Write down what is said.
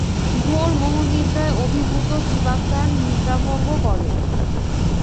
ঘোর মোহনিদ্রায় অভিভূত জীবাত্মার নিদ্রাভঙ্গ কর।